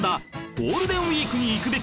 ゴールデンウィークに行くべき！